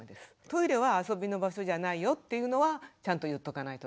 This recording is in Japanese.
トイレは遊びの場所じゃないよというのはちゃんと言っとかないと駄目ですね。